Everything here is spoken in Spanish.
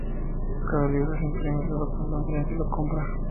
Cada libro se imprime solo cuando un cliente lo compra.